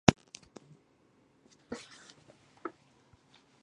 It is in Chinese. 清朝第五代车臣汗。